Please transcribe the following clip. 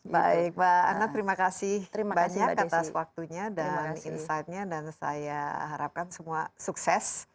baik pak anat terima kasih banyak atas waktunya dan insightnya dan saya harapkan semua sukses